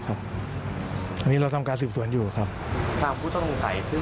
ผู้สนิทของน้องลิวที่แจ้งหายเมื่อแปดปีก่อน